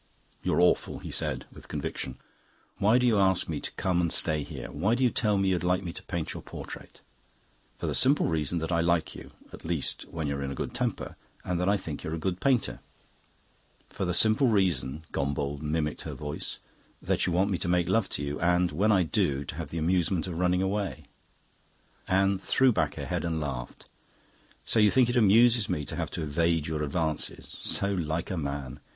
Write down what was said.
"You're awful," he said, with conviction. "Why do you ask me to come and stay here? Why do you tell me you'd like me to paint your portrait?" "For the simple reasons that I like you at least, when you're in a good temper and that I think you're a good painter." "For the simple reason" Gombauld mimicked her voice "that you want me to make love to you and, when I do, to have the amusement of running away." Anne threw back her head and laughed. "So you think it amuses me to have to evade your advances! So like a man!